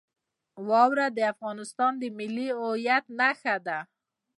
واوره د افغانستان د ملي هویت نښه ده.